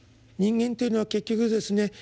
人間というのは結局ですね